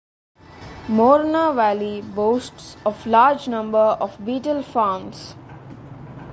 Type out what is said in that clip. Morna valley boasts of large number of Betel farms.